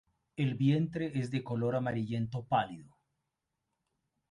El vientre es de color amarillento pálido.